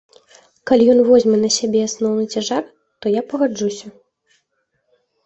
Калі ён возьме на сябе асноўны цяжар, то я пагаджуся.